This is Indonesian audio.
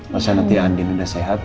nanti andin udah sehat